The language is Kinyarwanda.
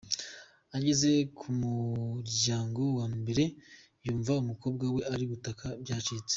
Ageze ku muryango wa mbere yumva umukobwa we ari gutaka byacitse.